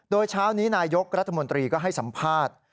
โดยเช้านี้นายกรัฐมนตรีก็ให้สัมภาษณ์